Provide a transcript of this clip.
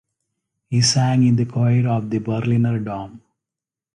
He sang in the choir of the Berliner Dom.